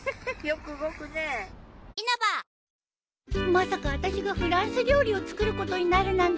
まさかあたしがフランス料理を作ることになるなんて。